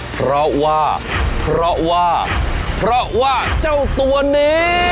เพราะว่าเพราะว่าเพราะว่าเจ้าตัวนี้